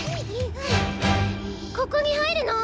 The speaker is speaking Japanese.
ここにはいるの？